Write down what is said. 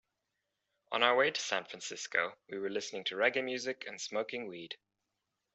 On our way to San Francisco, we were listening to reggae music and smoking weed.